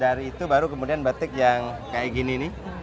dari itu baru kemudian batik yang kayak gini nih